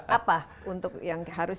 apa untuk yang harus